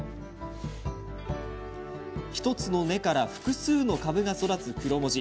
１つの根から複数の株が育つクロモジ。